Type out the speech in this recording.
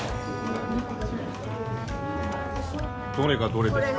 どれがどれですか？